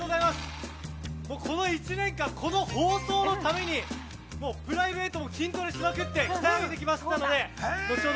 この１年間この放送のためにプライベートも筋トレしまくって鍛えてきましたので後ほど